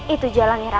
itu jalan irakan